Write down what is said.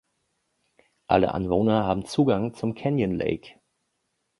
Alle Anwohner haben Zugang zum Canyon Lake.